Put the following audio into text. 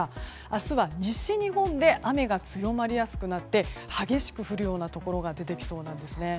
明日は西日本で雨が強まりやすくなって激しく降るようなところが出てきそうなんですね。